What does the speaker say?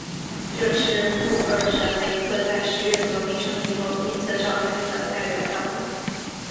这是布尔什维克在十月革命胜利以后第一次召开的代表大会。